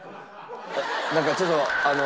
なんかちょっとあの。